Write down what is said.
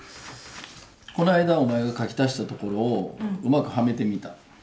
こないだお前が書き足したところをうまくはめてみた。